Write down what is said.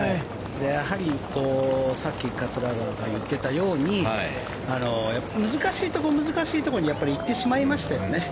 やはり、さっき桂川が言っていたように難しいところ、難しいところに行ってしまいましたよね。